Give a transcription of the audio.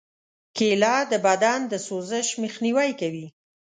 کېله د بدن د سوزش مخنیوی کوي.